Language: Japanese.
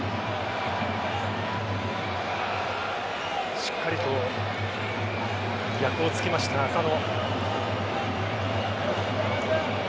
しっかりと逆を突きました浅野。